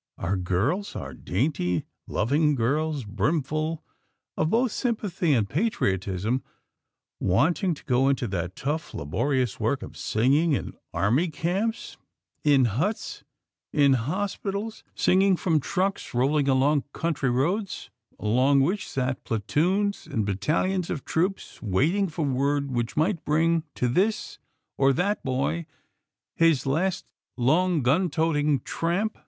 _ Our girls, our dainty, loving girls, brimful of both sympathy and patriotism, wanting to go into that tough, laborious work of singing in army camps; in huts; in hospitals; singing from trucks rolling along country roads along which sat platoons and battalions of troops, waiting for word which might bring to this or that boy his last long gun toting tramp.